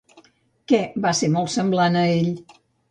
Què va ser molt semblant a ell?